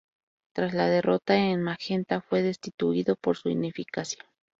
Tras la derrota en Magenta fue destituido por su ineficacia.